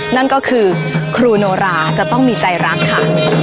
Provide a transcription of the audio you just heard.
นั่นก็คือครูโนราจะต้องมีใจรักค่ะ